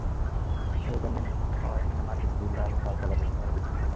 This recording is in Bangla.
এটা নিম্নভূমি হওয়ায় এখানে মাটির টিলা এবং ডাল-পালাবিহীন মরুবৃক্ষ ছিল।